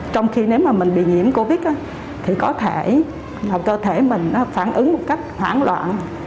trong khi nếu mà mình bị nhiễm covid thì có thể cơ thể mình phản ứng một cách hoảng loạn